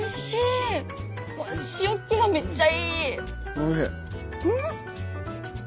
おいしい。